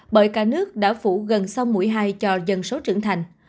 bởi cả nước đã phủ gần xong mũi hai cho dân số trưởng thành